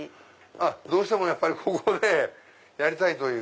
どうしてもここでやりたいという。